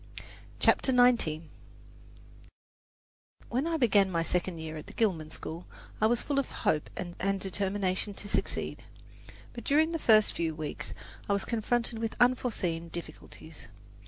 CHAPTER XIX When I began my second year at the Gilman school, I was full of hope and determination to succeed. But during the first few weeks I was confronted with unforeseen difficulties.